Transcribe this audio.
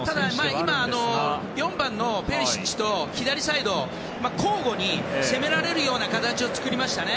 今、４番のペリシッチと左サイド、交互に攻められるような形を作りましたね。